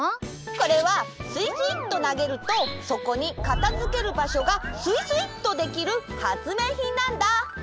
これはスイスイっとなげるとそこにかたづけるばしょがスイスイっとできる発明品なんだ！